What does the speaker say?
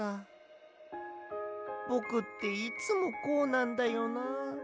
ぼくっていつもこうなんだよな。